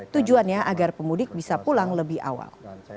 tujuannya agar pemudik bisa pulang lebih awal